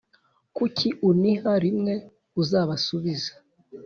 Kuki uniha l uzabasubize